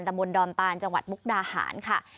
บนดอนตานจังหวัดมุกดาหารค่ะ